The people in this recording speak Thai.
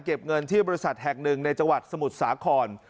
เก็บเงินที่บริษัทแห่งหนึ่งในจังหวัดสมุทรสาคร